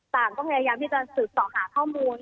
ต่างก็พยายามที่จะสืบสอหาข้อมูล